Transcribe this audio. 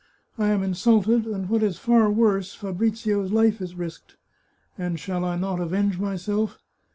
" I am insulted, and, what is far worse, Fabrizio's life is risked! And shall I not avenge myself?